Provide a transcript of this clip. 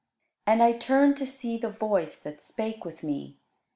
And I turned to see the voice that spake with me.